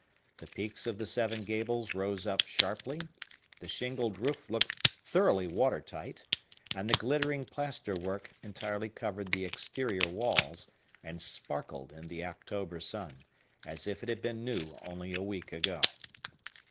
The peaks of the seven gables rose up sharply; the shingled roof looked thoroughly water tight; and the glittering plaster work entirely covered the exterior walls, and sparkled in the October sun, as if it had been new only a week ago.